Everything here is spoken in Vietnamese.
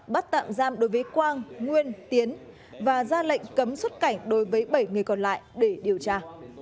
bắt tạm giam đối với quang nguyên tiến và ra lệnh cấm xuất cảnh đối với bảy người còn lại để điều tra